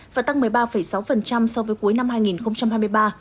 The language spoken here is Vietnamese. và tăng một mươi ba sáu so với cuối năm hai nghìn hai mươi ba